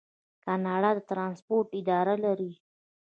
کاناډا د ټرانسپورټ اداره لري.